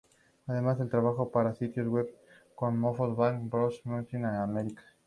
Además, ha trabajado para sitios web como Mofos, Bang Bros o Naughty America.